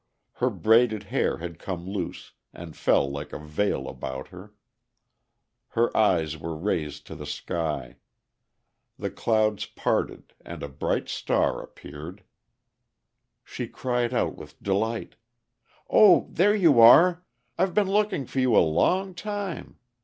Her braided hair had come loose, and fell like a veil about her. Her eyes were raised to the sky. The clouds parted and a bright star appeared. She cried out with delight: "Oh, there you are! I've been looking for you a long time.